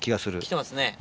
きてますね。